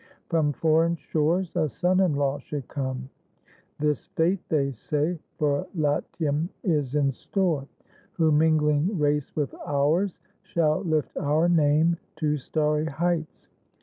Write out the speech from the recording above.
From foreign shores a son in law should come (This fate, they say, for Latium is in store), Who, mingling race with ours, shall lift our name To starry heights.